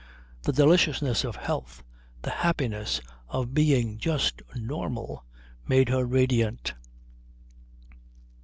The deliciousness of health, the happiness of being just normal made her radiant.